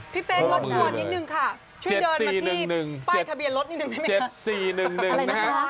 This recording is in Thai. พี่เป็นงวดนิดนึงค่ะ